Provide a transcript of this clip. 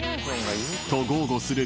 ［と］